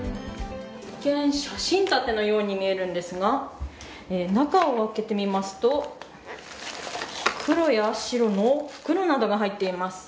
写真立てのように見えるんですが中を開けてみますと黒や白の袋などが入っています。